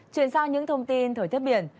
chuyển sang những thông tin thời tiết biển